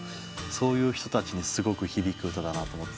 そういう人たちにすごく響く歌だなと思って。